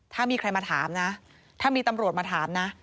ถ้ามีใครมาถามนะถ้ามีตำรวจมาถามนะ